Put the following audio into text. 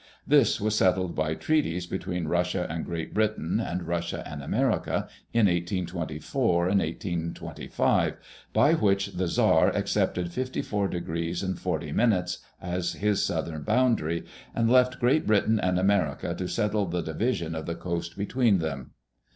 This was settled by treaties between Russia and Great Britain, and Russia and America, in 1824 and 1825, by which the Czar accepted fifty four degrees and forty minutes as his southern boundary, and left Great Britain and America to settle the division of the coast between them.